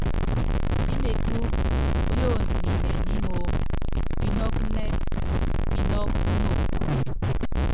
Píméku píond ninɛ nímoóm, pinɔ́k nɛ́k pinɔ́k nok.